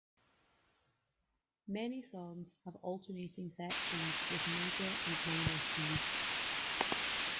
Many songs have alternating sections with major and minor keys.